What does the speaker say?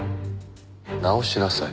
直しなさい。